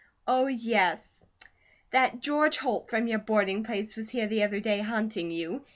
Oh, yes, that George Holt from your boarding place was here the other day hunting you.